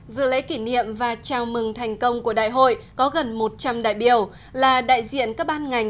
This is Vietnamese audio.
dự lễ kỷ niệm và chào mừng thành công của đại hội có gần một trăm linh đại biểu là đại diện các ban ngành